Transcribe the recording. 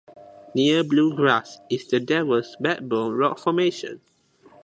Near Blue Grass is the Devils Backbone rock formation.